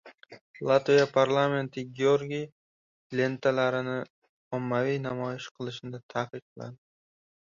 Latviya parlamenti Georgiy lentalarini ommaviy namoyish qilishni taqiqladi